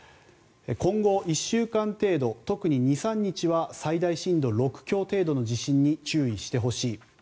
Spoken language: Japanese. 今後１週間程度特に２、３日は最大震度６強程度の地震に注意してほしい。